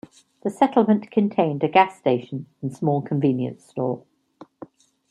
The settlement contained a gas station and small convenience store.